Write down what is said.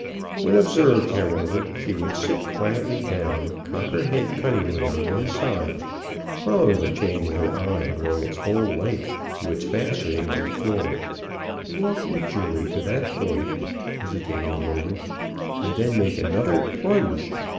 When observed, however, she would sit quietly down, cock her head cunningly on one side, follow the chain with her eye along its whole length to its fastening on the floor, walk leisurely to that point, hesitating a moment, and then make another plunge.